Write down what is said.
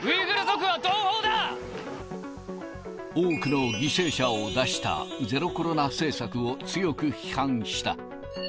多くの犠牲者を出した、ゼロコロナ政策を強く批判した。